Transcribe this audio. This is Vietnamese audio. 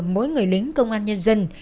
mỗi người lính công an nhân dân